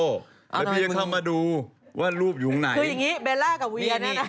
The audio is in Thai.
แล้วพี่ยังเข้ามาดูว่ารูปอยู่ข้างในคืออย่างนี้เบลล่ากับเวียนี่นะ